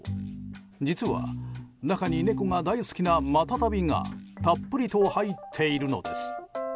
実は中に猫が大好きなマタタビがたっぷりと入っているのです。